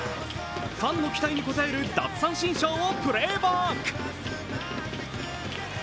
ファンの期待に応える奪三振ショーをプレイバック。